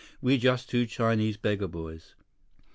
We just two Chinese beggar boys."